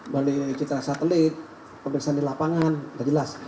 balik dari sitra satelit kebesaran di lapangan udah jelas